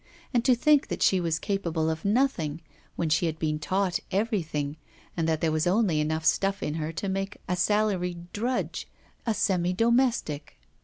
And to think that she was capable of nothing, when she had been taught everything, and that there was only enough stuff in her to make a salaried drudge, a semi domestic!